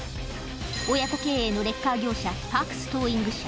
親子経営のレッカー業者、パークス・トーイング社。